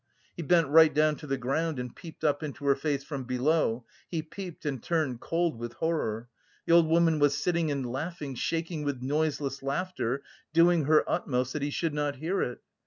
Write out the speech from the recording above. He bent right down to the ground and peeped up into her face from below, he peeped and turned cold with horror: the old woman was sitting and laughing, shaking with noiseless laughter, doing her utmost that he should not hear it.